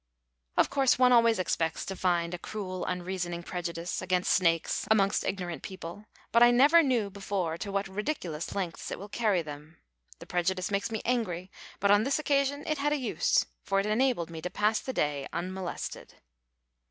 Of course, one always expects to find a cruel, unreasoning prejudice against snakes amongst ignorant people, but I never knew before to what ridiculous lengths it will carry them. The prejudice makes me angry, but on this occasion it had a use, for it enabled me to pass the day unmolested.